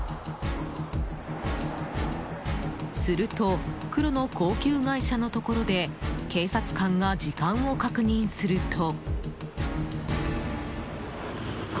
すると、黒の高級外車のところで警察官が時間を確認すると。